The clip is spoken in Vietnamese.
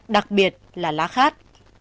đặc biệt là lá khát